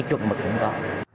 cái chuẩn mực cũng có